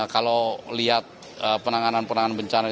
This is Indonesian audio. kalau lihat penanganan penanganan bencana